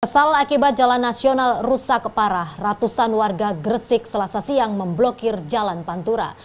kesal akibat jalan nasional rusak parah ratusan warga gresik selasa siang memblokir jalan pantura